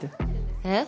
えっ？